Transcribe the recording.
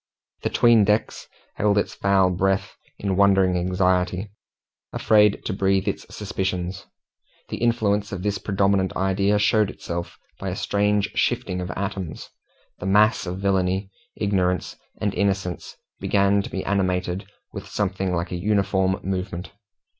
The 'tween decks held its foul breath in wondering anxiety, afraid to breathe its suspicions. The influence of this predominant idea showed itself by a strange shifting of atoms. The mass of villainy, ignorance, and innocence began to be animated with something like a uniform movement.